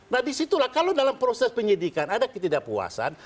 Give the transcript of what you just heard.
nah disitulah kalau dalam proses penyidikan ada ketidakpuasan